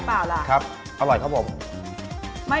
เพราะฉะนั้นถ้าใครอยากทานเปรี้ยวเหมือนโป้แตก